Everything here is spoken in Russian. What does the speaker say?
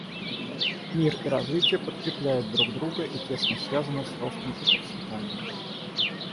Мир и развитие подкрепляют друг друга и тесно связаны с ростом и процветанием.